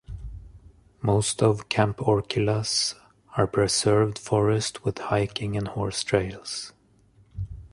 Most of Camp Orkila's are preserved forest with hiking and horse trails.